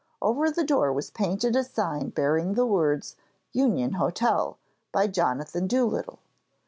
Over the door was painted a sign bearing the words 'Union Hotel, by Jonathan Doolittle.'